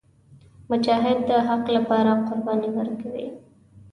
مجاهد د حق لپاره قرباني ورکوي.